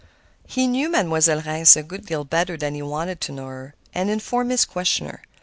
He knew Mademoiselle Reisz a good deal better than he wanted to know her, he informed his questioner.